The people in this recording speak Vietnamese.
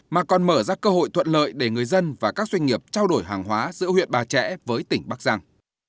mà còn mở ra cơ hội thuận lợi để người dân và các doanh nghiệp trao đổi hàng hóa giữa huyện bà trẻ với tỉnh bắc giang